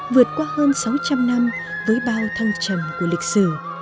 vượt qua hơn sáu trăm linh năm với bao thăng trầm của lịch sử